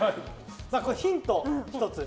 ヒントを１つ。